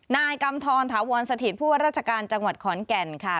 นายกำธรถาวรสถิตผู้ว่าราชการจังหวัดขอนแก่นค่ะ